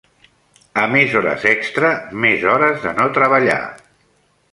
A més hores extra, més hores de no treballar.